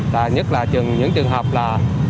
và nhất là những trường hợp là